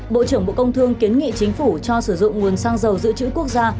bộ trưởng bộ công thương kiến nghị chính phủ cho sử dụng nguồn xăng dầu giữ chữ quốc gia